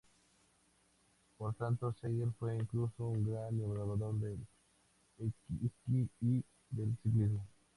Por tanto, Seidel fue incluso un gran innovador del esquí y del ciclismo.